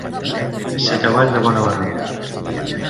Ser cavall de bona barra.